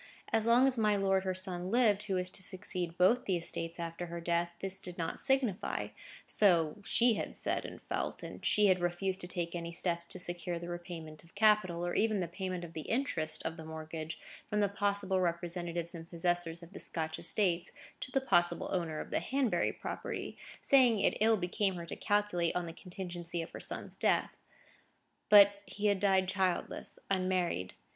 As long as my lord, her son, lived, who was to succeed to both the estates after her death, this did not signify; so she had said and felt; and she had refused to take any steps to secure the repayment of capital, or even the payment of the interest of the mortgage from the possible representatives and possessors of the Scotch estates, to the possible owner of the Hanbury property; saying it ill became her to calculate on the contingency of her son's death. But he had died childless, unmarried.